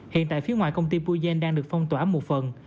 hiện tại phía ngoài công ty pujen đang được phong tỏa một phần